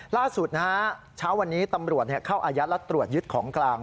ล่าสุดนะฮะเช้าวันนี้ตำรวจเข้าอายัดและตรวจยึดของกลาง